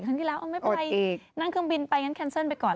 ครั้งที่แล้วเอาไม่ไปนั่งเครื่องบินไปงั้นแคนเซิลไปก่อน